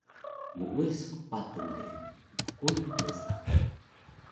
Muuyas qpatun de mpquyux mesa